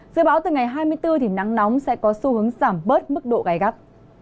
dự báo từ ngày hai mươi bốn thì nắng nóng sẽ có xu hướng giảm bớt mức độ gai gắt